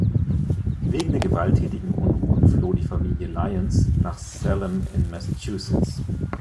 Wegen der gewalttätigen Unruhen floh die Familie Lyons nach Salem in Massachusetts.